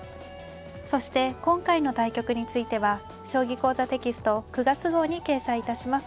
そして今回の対局については「将棋講座」テキスト９月号に掲載致します。